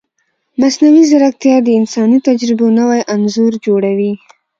مصنوعي ځیرکتیا د انساني تجربو نوی انځور جوړوي.